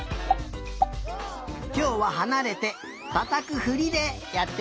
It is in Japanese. きょうははなれてたたくふりでやってみるよ。